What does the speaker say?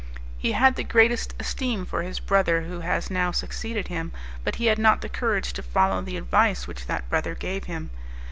He had the greatest esteem for his brother, who has now succeeded him, but he had not the courage to follow the advice which that brother gave him.